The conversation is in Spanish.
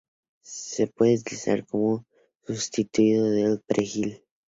Se puede utilizar como sustituto del perejil.